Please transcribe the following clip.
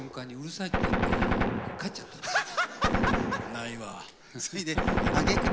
ないわ。